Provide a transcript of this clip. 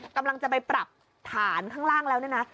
กำลังจะไปปรับฐานข้างล่างแล้วเนี่ยนะ